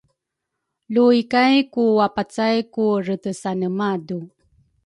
luikay ku wapacay ku retesane madu